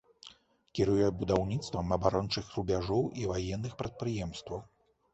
Кіруе будаўніцтвам абарончых рубяжоў і ваенных прадпрыемстваў.